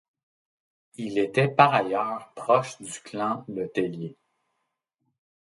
Il était par ailleurs proche du clan Le Tellier.